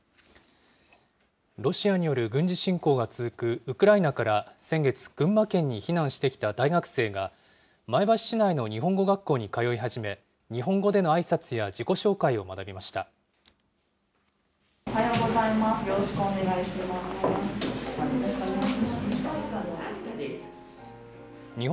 ロシアによる軍事侵攻が続くウクライナから先月、群馬県に避難してきた大学生が、前橋市内の日本語学校に通い始め、日本語でのあいさつや自己紹介をおはようございます、よろしくお願いします。